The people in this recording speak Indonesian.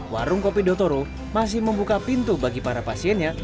warung kopi dotoro masih membuka pintu bagi para pasiennya